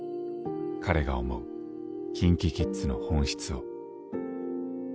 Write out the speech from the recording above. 彼が思うＫｉｎＫｉＫｉｄｓの本質を。